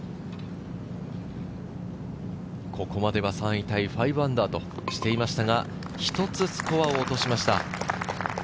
ここまでは３位タイ、−５としていましたが、１つスコアを落としました。